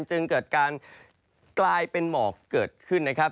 จึงเกิดการกลายเป็นหมอกเกิดขึ้นนะครับ